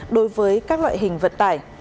đối với các loại hình vận tải